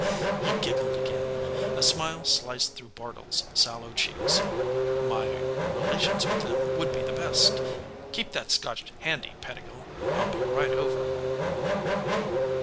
He giggled again. A smile sliced through Bartle's sallow cheeks. "My relations with them would be the best! Keep that Scotch handy, Pettigill. I'll be right over."